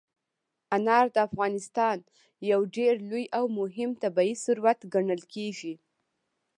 انار د افغانستان یو ډېر لوی او مهم طبعي ثروت ګڼل کېږي.